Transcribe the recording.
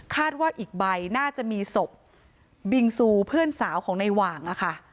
ว่าอีกใบน่าจะมีศพบิงซูเพื่อนสาวของในหว่างอะค่ะ